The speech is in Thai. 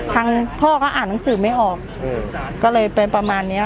ทางพ่อก็อ่านหนังสือไม่ออกก็เลยไปประมาณเนี้ย